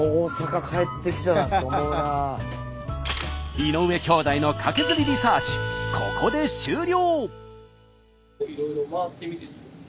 井上兄弟のカケズリリサーチここで終了。